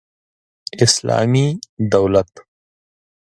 اسلامي دولت